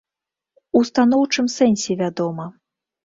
У станоўчым сэнсе, вядома.